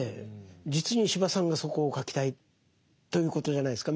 実に司馬さんがそこを書きたいということじゃないですか。